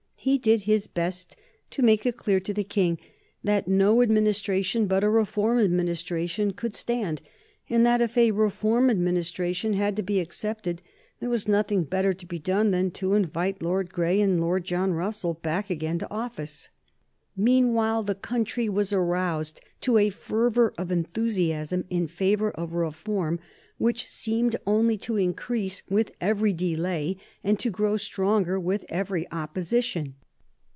He did his best to make it clear to the King that no administration but a reform administration could stand, and that, if a reform administration had to be accepted, there was nothing better to be done than to invite Lord Grey and Lord John Russell back again to office. Meanwhile the country was aroused to a fervor of enthusiasm in favor of reform, which seemed only to increase with every delay and to grow stronger with every opposition.